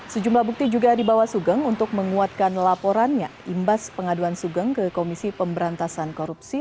sejumlah bukti juga dibawa sugeng untuk menguatkan laporannya imbas pengaduan sugeng ke komisi pemberantasan korupsi